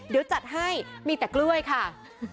เดี๋ยวจัดให้มีแต่กล้วยค่ะ